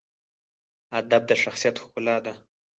ادب د شخصیت ښکلا ده.